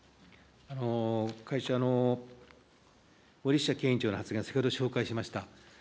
会長、森下経営委員長の発言を先ほど紹介しました。